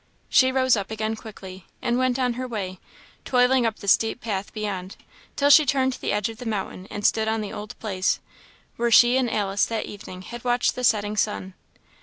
She rose up again quickly, and went on her way, toiling up the steep path beyond, till she turned the edge of the mountain, and stood on the old place, where she and Alice that evening had watched the setting sun.